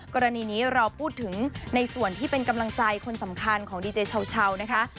กรณีนี้เราพูดถึงในส่วนที่เป็นกำลังใจคนสำคัญของดีเจเช้านะคะ